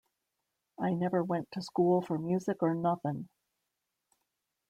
I never went to school for music or nothin'.